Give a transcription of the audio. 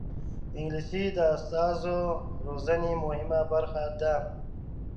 انګلیسي د استازو د روزنې مهمه برخه ده